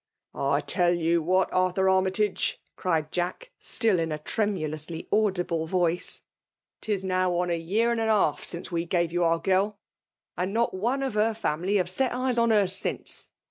,•'.* I tell you what, Arthur Armytage," cried Jaek, still iB a tremulously audible voice, ".'t^ now near on a year and a half since we gai^ you our girl, and not one of her family have set ^eson her since.